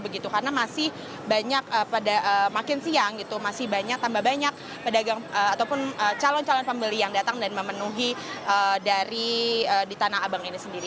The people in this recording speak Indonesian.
karena masih banyak pada makin siang gitu masih banyak tambah banyak pedagang ataupun calon calon pembeli yang datang dan memenuhi dari di tanah abang ini sendiri